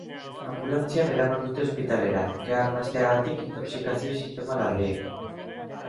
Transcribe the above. Anbulantzian eraman dute ospitalera, kea arnasteagatik intoxikazio sintoma larriekin.